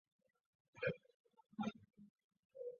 边沁后功利主义的最重要代表人物之一。